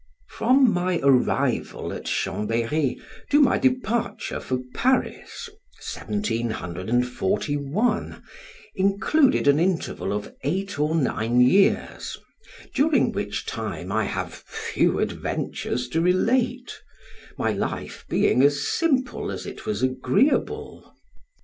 From my arrival at Chambery to my departure for Paris, 1741, included an interval of eight or nine years, during which time I have few adventures to relate; my life being as simple as it was agreeable.